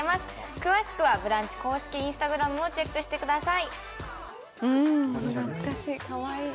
詳しくは「ブランチ」公式Ｉｎｓｔａｇｒａｍをチェックしてください。